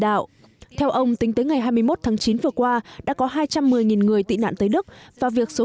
đạo theo ông tính tới ngày hai mươi một tháng chín vừa qua đã có hai trăm một mươi người tị nạn tới đức và việc số